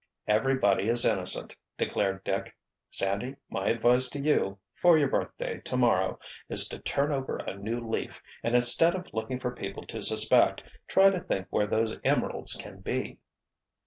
"Everybody is innocent," declared Dick. "Sandy, my advice to you, for your birthday, tomorrow, is to turn over a new leaf and instead of looking for people to suspect, try to think where those emeralds can be."